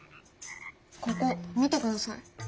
ここ見てください。